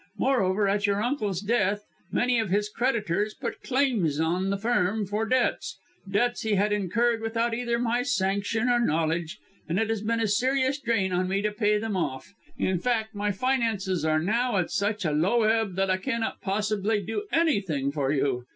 Moreover, at your uncle's death, many of his creditors put in claims on the Firm for debts debts he had incurred without either my sanction or knowledge and it has been a serious drain on me to pay them off. In fact, my finances are now at such a low ebb that I cannot possibly do anything for you.